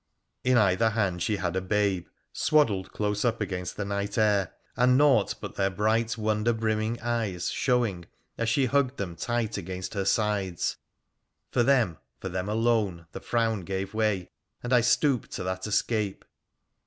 In either hand she had a babe, swaddled close up against the night air, and naught but their bright wonder brimming eyes showing as she hugged them tight against her sides. For them, for them alone, the frown gave way, and I stooped to that escape.